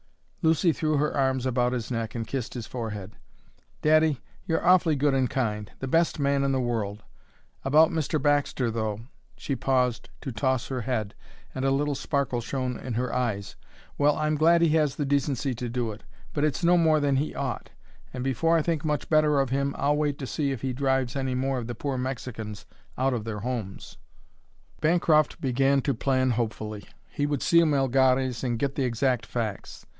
Lucy threw her arms about his neck and kissed his forehead. "Daddy, you're awfully good and kind the best man in the world! About Mr. Baxter, though " she paused to toss her head, and a little sparkle shone in her eyes "well, I'm glad he has the decency to do it, but it's no more than he ought; and before I think much better of him I'll wait to see if he drives any more of the poor Mexicans out of their homes." Bancroft began to plan hopefully. He would see Melgares and get the exact facts.